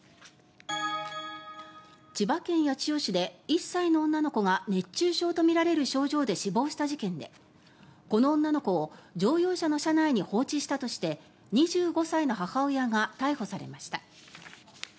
千葉県八千代市で１歳の女の子が熱中症とみられる症状で死亡した事件でこの女の子を乗用車の車内に放置したとして２５歳の母親が逮捕されました。